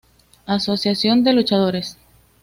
Asociación de luchadores“.